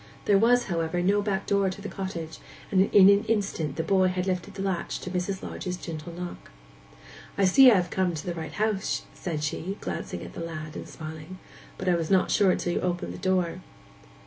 There was, however, no backdoor to the cottage, and in an instant the boy had lifted the latch to Mrs. Lodge's gentle knock. 'I see I have come to the right house,' said she, glancing at the lad, and smiling. 'But I was not sure till you opened the door.